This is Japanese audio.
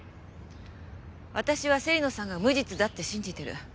私は芹野さんが無実だって信じてる。